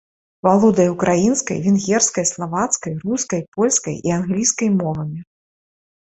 Валодае ўкраінскай, венгерскай, славацкай, рускай, польскай і англійскай мовамі.